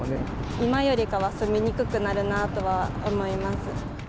今よりかは住みにくくなるなとは思います。